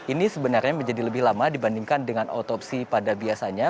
ini sebenarnya menjadi lebih lama dibandingkan dengan otopsi pada biasanya